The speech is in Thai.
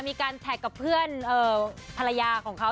มีการแท็กกับเพื่อนภรรยาของเขา